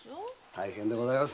大変でございますね。